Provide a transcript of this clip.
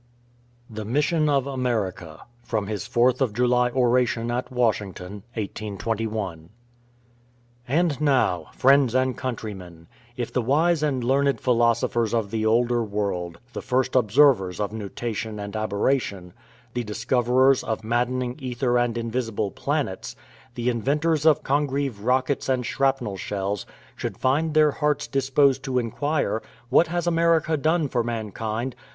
THE MISSION OF AMERICA From his Fourth of July Oration at Washington, 1821 And now, friends and countrymen, if the wise and learned philosophers of the older world, the first observers of nutation and aberration, the discoverers of maddening ether and invisible planets, the inventors of Congreve rockets and shrapnel shells, should find their hearts disposed to inquire, What has America done for mankind?